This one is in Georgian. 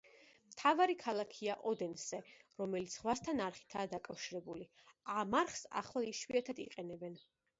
მთავარი ქალაქია ოდენსე, რომელიც ზღვასთან არხითაა დაკავშირებული; ამ არხს ახლა იშვიათად იყენებენ.